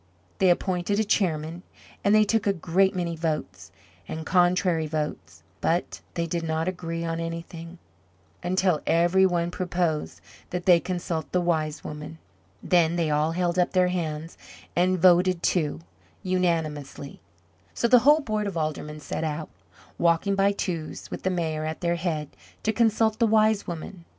They appointed a chairman and they took a great many votes and contrary votes but they did not agree on anything, until every one proposed that they consult the Wise Woman. Then they all held up their hands, and voted to, unanimously. So the whole board of Aldermen set out, walking by twos, with the Mayor at their head, to consult the Wise Woman.